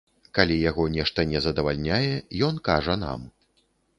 Калі яго нешта не задавальняе ён кажа нам.